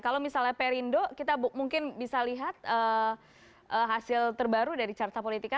kalau misalnya perindo kita mungkin bisa lihat hasil terbaru dari carta politika